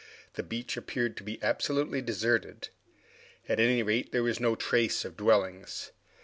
The beach appeared to be absolutely deserted. At any rate, there was no trace of dwellings.